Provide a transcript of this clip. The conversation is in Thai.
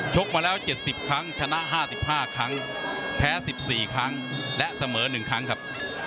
กมาแล้ว๗๐ครั้งชนะ๕๕ครั้งแพ้๑๔ครั้งและเสมอ๑ครั้งครับ